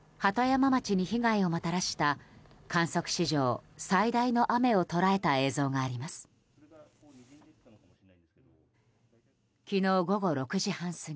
鳩山町に被害をもたらした観測史上最大の雨を捉えた映像があります。